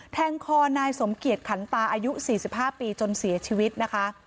แทงคอนายสมเกียจขันตาอายุ๔๕ปีจนเสียชีวิตนะคะ